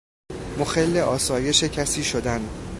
مخل اسایش کسی شدن